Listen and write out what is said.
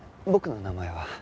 僕の名前は。